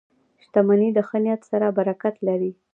• شتمني د ښه نیت سره برکت لري.